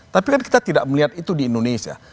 tapi kan kita tidak melihat itu di indonesia